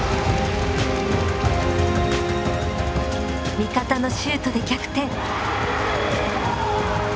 味方のシュートで逆転。